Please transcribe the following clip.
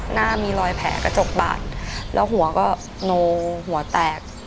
หน้ามีรอยแผลกระจกบาดแล้วหัวก็โนหัวแตก